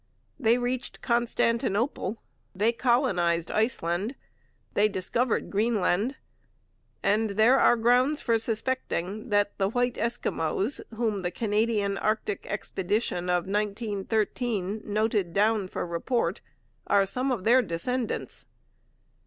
They reached Constantinople; they colonized Iceland; they discovered Greenland; and there are grounds for suspecting that the 'White Eskimos' whom the Canadian Arctic expedition of 1913 noted down for report are some of their descendants.